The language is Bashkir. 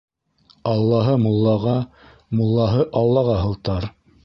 Аллаһы муллаға, муллаһы Аллаға һылтар.